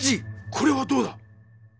これはどうだ？